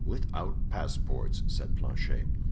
"Without passports," said Planchet.